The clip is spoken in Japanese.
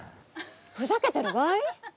ふざけてる場合？